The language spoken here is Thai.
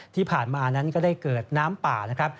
ที่ผ่านมานั้นก็ได้เกิดน้ำป่านะครับ